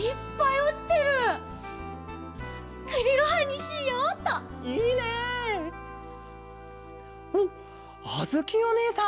おっあづきおねえさん！